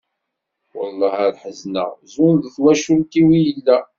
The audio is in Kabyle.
wallah ar ḥezneɣ, zun deg twacult-iw i yella.